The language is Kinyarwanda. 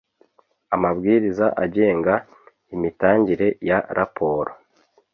amabwiriza agenga imitangire ya raporo